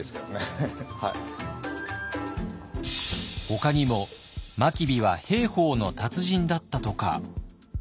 ほかにも真備は兵法の達人だったとか。